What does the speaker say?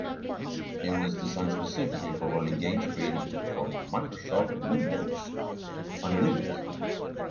It was designed specifically for running games created for Microsoft Windows under Linux.